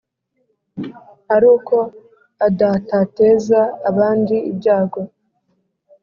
ari uko adatateza abandi ibyago